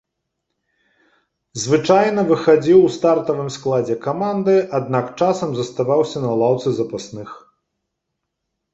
Звычайна выхадзіў у стартавым складзе каманды, аднак часам заставаўся на лаўцы запасных.